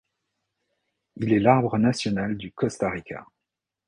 Il est l'arbre national du Costa Rica.